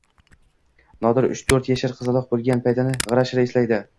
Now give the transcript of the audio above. Nodira uch-to`rt yashar qizaloq bo`lgan paytini g`ira-shira eslaydi